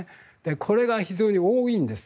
これが非常に多いんです。